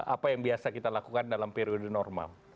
apa yang biasa kita lakukan dalam periode normal